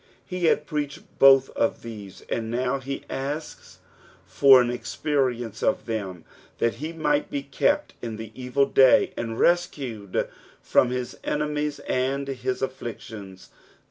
He had preached both of these, and now he asks for an experience of them, that he might be kept in the evil day and rescued from his enemies and his afflictions.